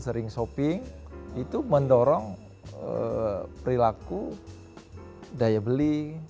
kemudian cuma si nberkata creator perumahan diyor nungkur